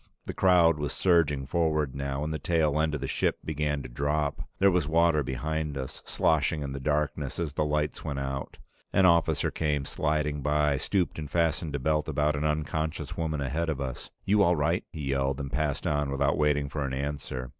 The crowd was surging forward now, and the tail end of the ship began to drop. There was water behind us, sloshing in the darkness as the lights went out. An officer came sliding by, stooped, and fastened a belt about an unconscious woman ahead of us. "You all right?" he yelled, and passed on without waiting for an answer.